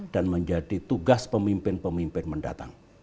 dan menjadi tugas pemimpin pemimpin mendatang